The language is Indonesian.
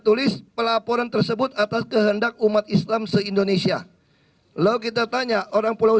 tulis pelaporan tersebut atas kehendak umat islam se indonesia lo kita tanya orang pulau